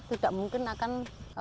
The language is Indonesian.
tidak mungkin akan